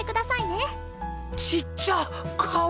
ちっちゃ！かわっ！